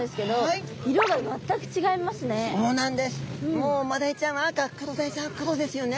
もうマダイちゃんは赤クロダイちゃんは黒ですよね。